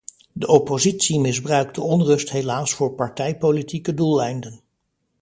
De oppositie misbruikt de onrust helaas voor partijpolitieke doeleinden.